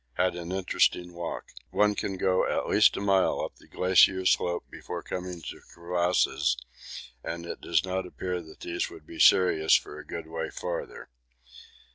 Had an interesting walk. One can go at least a mile up the glacier slope before coming to crevasses, and it does not appear that these would be serious for a good way farther.